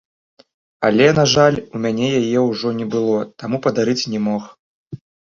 Але, на жаль, у мяне яе ўжо не было, таму падарыць не мог.